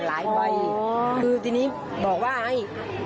หลายใบคือที่นี้บอกว่าไอ้